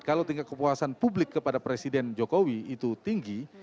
kalau tingkat kepuasan publik kepada presiden jokowi itu tinggi